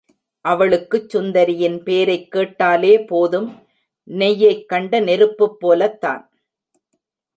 அவளுக்குச் சுந்தரியின் பேரைக் கேட்டாலே போதும் நெய்யைக் கண்ட நெருப்புப் போலத்தான்.